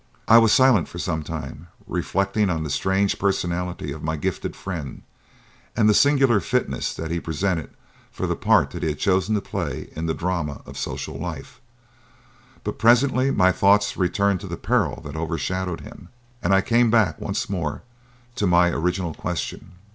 I was silent for some time, reflecting on the strange personality of my gifted friend and the singular fitness that he presented for the part he had chosen to play in the drama of social life; but presently my thoughts returned to the peril that overshadowed him, and I came back, once more, to my original question.